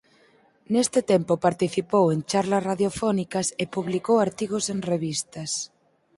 Neste tempo participou en charlas radiofónicas e publicou artigos en revistas.